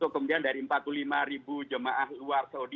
kemudian dari empat puluh lima ribu jemaah luar saudi